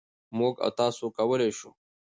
مـوږ او تاسـو کـولی شـو